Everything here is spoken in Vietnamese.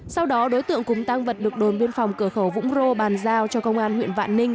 sau đó đối tượng cùng tăng vật được đồn biên phòng cửa khẩu vũng rô bàn giao cho công an huyện vạn ninh